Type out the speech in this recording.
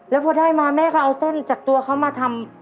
แล้วพอได้มาแม่ก็เอาเส้นจากตัวเขามาทำ